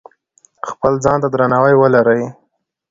خپل ځان ته درناوی ولرئ.